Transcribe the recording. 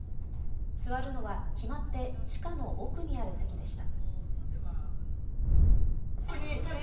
座るのは決まって地下の奥にある席でした。